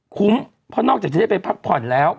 เพราะนอกจากจะได้ไปพักผ่อนแล้ว